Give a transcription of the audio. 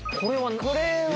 これは？